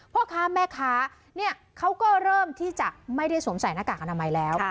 พ่อค้าแม่ค้าเนี่ยเขาก็เริ่มที่จะไม่ได้สวมใส่หน้ากากอนามัยแล้ว